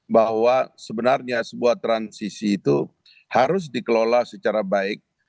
bahwa sebenarnya sebuah transisi itu harus dikelola secara baik